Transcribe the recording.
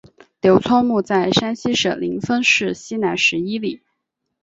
刘聪墓在山西省临汾市西南十一里。